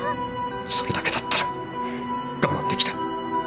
それだけだったら我慢出来た。